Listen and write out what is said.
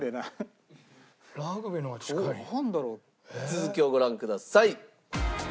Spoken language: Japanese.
続きをご覧ください。